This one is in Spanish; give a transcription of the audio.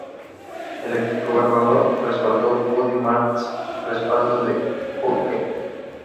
El ex gobernador respaldó Judy Martz respaldó a Huckabee.